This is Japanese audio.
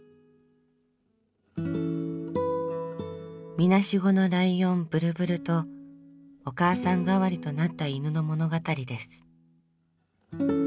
みなしごのライオンブルブルとお母さん代わりとなった犬の物語です。